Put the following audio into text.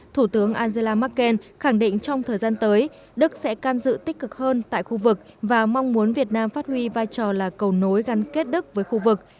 thủ tướng angela merkel khẳng định trong thời gian tới đức sẽ can dự tích cực hơn tại khu vực và mong muốn việt nam phát huy vai trò là cầu nối gắn kết đức với khu vực